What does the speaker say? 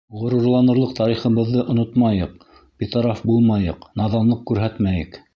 Ғорурланырлыҡ тарихыбыҙҙы онотмайыҡ, битараф булмайыҡ, наҙанлыҡ күрһәтмәйек!